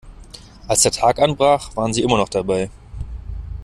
Als der Tag anbrach, waren sie immer noch dabei.